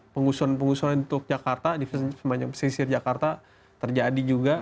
pengusuhan pengusuhan di teluk jakarta di semacam pesisir jakarta terjadi juga